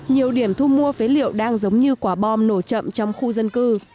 nhiều điểm thu mua phế liệu đang giống như quả bom nổ chậm trong khu dân cư